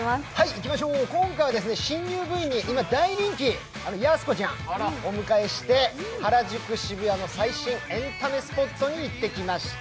いきましょう、今回は新入部員に今大人気、やす子ちゃんをお迎えして原宿・渋谷の最新エンタメスポットに行ってきました。